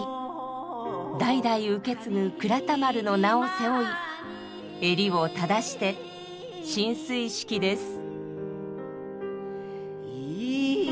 代々受け継ぐ倉田丸の名を背負い襟を正して進水式です。